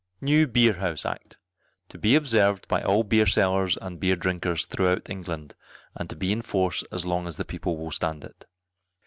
NEW BEER HOUSE ACT, To be observed by all Beer Sellers and Beer Drinkers throughout England, and to be in force as long as the people will stand it.